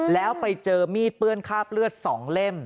แล้วไปเจอมีดเปื้อนคราบเลือด๒เล่ม